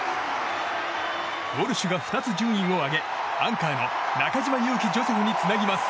ウォルシュが２つ順位を上げアンカーの中島佑気ジョセフにつなぎます。